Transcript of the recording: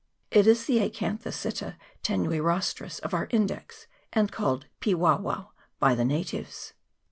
It is the Acanthisitta tenuirostris of our Index, and called piwauwau by the natives.